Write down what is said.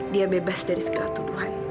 dia bebas dari segala tuduhan